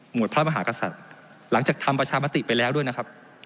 พระมหากษัตริย์หลังจากทำประชามติไปแล้วด้วยนะครับ